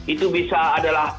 itu bisa adalah